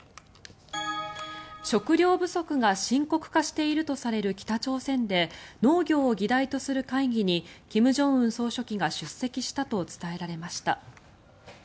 食料不足が深刻化しているとされる北朝鮮で農業を議題とする会議に金正恩総書記が出席したと伝えられました。